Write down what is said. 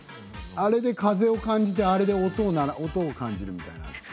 あれで風を感じてあれで音を感じるみたいな？